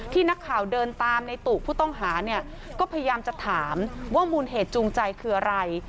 นักข่าวเดินตามในตู่ผู้ต้องหาเนี่ยก็พยายามจะถามว่ามูลเหตุจูงใจคืออะไร